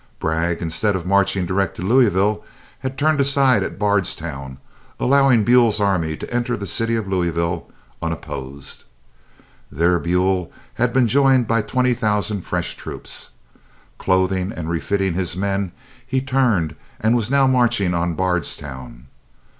Bragg, instead of marching direct to Louisville, had turned aside to Bardstown, allowing Buell's army to enter the city of Louisville unopposed. There Buell had been joined by twenty thousand fresh troops. Clothing and refitting his men, he had turned, and was now marching on Bardstown.